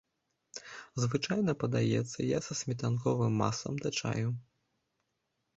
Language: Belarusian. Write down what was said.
Звычайна падаецца я са сметанковым маслам да чаю.